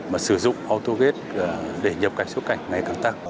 mà sử dụng autogate để nhập cảnh xuất cảnh ngày càng tăng